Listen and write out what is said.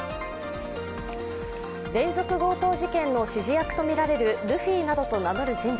連続強盗事件の指示役とみられるルフィなどと名乗る人物。